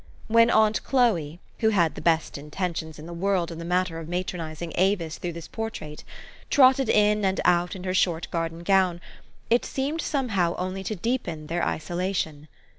When aunt Chloe, who had the best intentions in the tforld in the matter of matronizing Avis through this THE STORY OF AVIS. 101 portrait, trotted in and out in her short garden gown, it seemed somehow only to deepen their isolation.